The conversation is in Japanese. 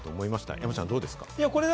山ちゃん、どうですか？